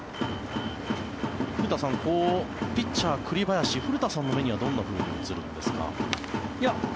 古田さん、ピッチャー栗林古田さんの目にはどんなふうに映るんですか？